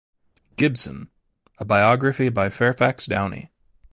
Gibson: A Biography by Fairfax Downey.